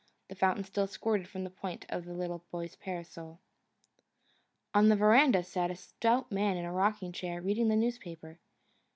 The fountain still squirted from the point of the little boy's parasol. On the veranda sat a stout man in a rocking chair, reading the newspaper.